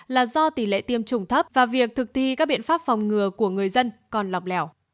là do tỷ lệ tiêm chủng thấp và việc thực thi các biện pháp phòng ngừa của người dân còn lọc lẻo